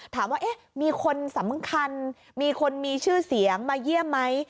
ถามว่ามีคนสำคัญมีคนมีชื่อเสียงมาเยี่ยมไหม